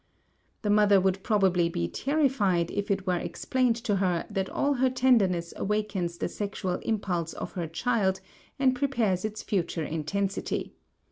The mother would probably be terrified if it were explained to her that all her tenderness awakens the sexual impulse of her child and prepares its future intensity.